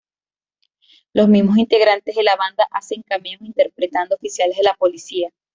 Los mismos integrantes de la banda hacen cameos interpretando oficiales de policía.